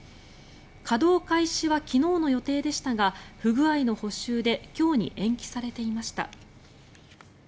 稼働開始は昨日の予定でしたが不具合の補修で今日に延期されていました。